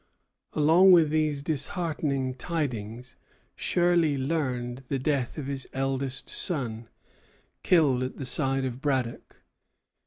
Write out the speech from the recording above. Along with these disheartening tidings, Shirley learned the death of his eldest son, killed at the side of Braddock.